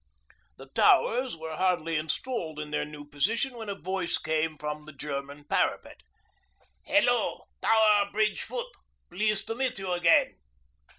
The 'Towers' were hardly installed in their new position when a voice came from the German parapet, 'Hello, Tower Bridge Foot! Pleased to meet you again.'